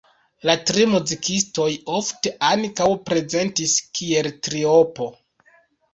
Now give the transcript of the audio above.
La tri muzikistoj ofte ankaŭ prezentis kiel triopo.